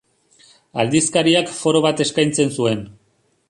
Aldizkariak foro bat eskaintzen zuen.